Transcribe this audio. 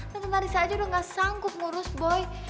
tante marissa aja udah gak sanggup ngurus boy